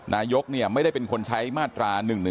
นายกไม่ได้เป็นคนใช้มาตรา๑๑๒